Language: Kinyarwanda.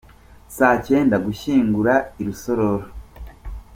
– Saa cyenda: Gushyingura i Rusororo.